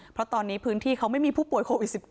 เพราะตอนนี้พื้นที่เขาไม่มีผู้ป่วยโควิด๑๙